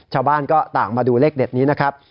ชาวบ้านก็ต่างมาดูเลขเด็ดนี้นะครับ